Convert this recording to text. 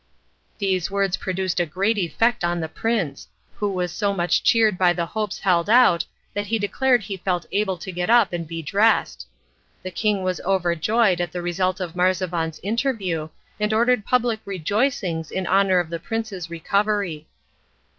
These words produced a great effect on the prince, who was so much cheered by the hopes held out that he declared he felt able to get up and be dressed. The king was overjoyed at the result of Marzavan's interview, and ordered public rejoicings in honour of the prince's recovery.